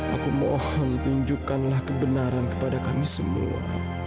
aku mohon tunjukkanlah kebenaran kepada kami semua